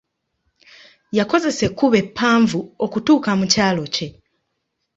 Yakozesa ekkubo eppanvu okutuuka mu kyalo kye.